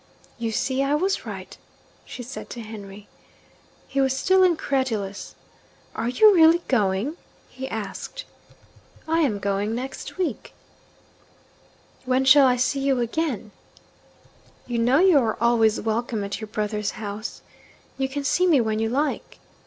'You see I was right,' she said to Henry. He was still incredulous. 'Are you really going?' he asked. 'I am going next week.' 'When shall I see you again?' 'You know you are always welcome at your brother's house. You can see me when you like.'